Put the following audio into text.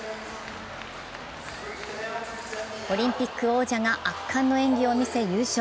オリンピック王者が圧巻の演技を見せ優勝。